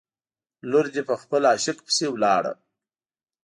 لور دې په خپل عاشق پسې ولاړه.